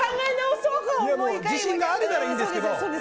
自信があるならいいですけど。